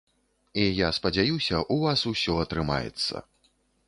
І я спадзяюся, у вас усё атрымаецца.